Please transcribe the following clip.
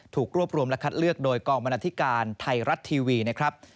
ถูกรวบรวมและคัดเลือกโดยกองบรรณาธิการไทยรัฐทีวีนะครับ